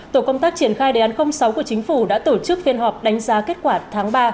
tổ công tác triển khai đề án sáu của chính phủ đã tổ chức phiên họp đánh giá kết quả tháng ba